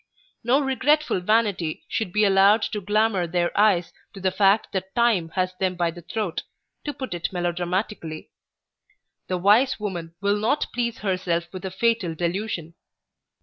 No regretful vanity should be allowed to glamour their eyes to the fact that Time has them by the throat, to put it melodramatically. The wise woman will not please herself with a fatal delusion.